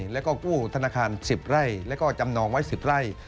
แล้วก็กู้ธนาคาร๑๐ไร่แล้วก็จำนองไว้๑๐ไร่